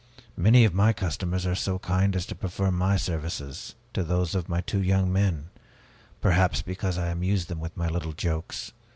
Many of my customers are so kind as to prefer my services to those of my two young men; perhaps because I amuse them with my little jokes.